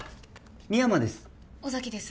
深山です